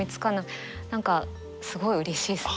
何かすごいうれしいです。